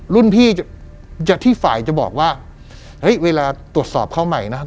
รุ่นพี่ที่ฝ่ายจะบอกว่าเฮ้ยเวลาตรวจสอบเข้าใหม่นะครับ